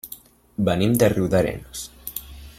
Venim de Riudarenes.